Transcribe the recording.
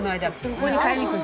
ここに買いに来る。